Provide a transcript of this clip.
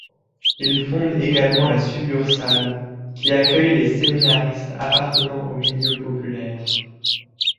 Il fonde également la succursale, qui accueille les séminaristes appartenant aux milieux populaires.